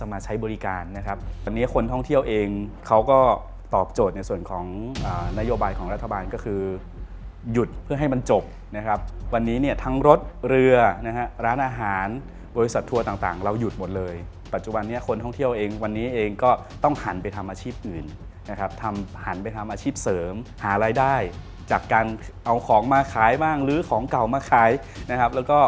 มันเป็นปัญหาทั่วโลกเลยแล้วก็กระทบในส่วนของมันเป็นปัญหาทั่วโลกเลยแล้วก็กระทบในส่วนของมันเป็นปัญหาทั่วโลกเลยแล้วก็กระทบในส่วนของมันเป็นปัญหาทั่วโลกเลยแล้วก็กระทบในส่วนของมันเป็นปัญหาทั่วโลกเลยแล้วก็กระทบในส่วนของมันเป็นปัญหาทั่วโลกเลยแล้วก็กระทบในส่วนของมันเป็นปัญหาทั่วโลก